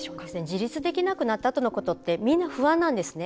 自立できなくなったあとのことってみんな不安なんですね。